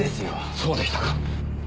そうでしたか。